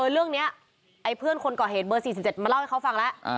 เรื่องนี้ไอ้เพื่อนคนก่อเหตุเบอร์๔๗มาเล่าให้เขาฟังแล้ว